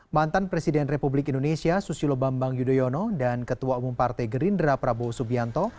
mantan presiden republik indonesia susilo bambang yudhoyono dan ketua umum partai gerindra prabowo subianto